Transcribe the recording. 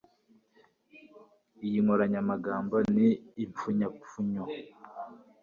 Iyi nkoranyamagambo ni impfunyapfunyo.